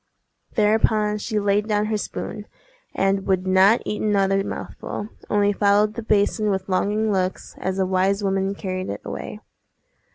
Thereupon she laid down her spoon, and would not eat another mouthful—only followed the basin with longing looks, as the wise woman carried it away.